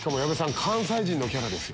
関西人のキャラですよ。